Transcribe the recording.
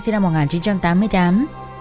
sinh năm một nghìn chín trăm tám mươi tám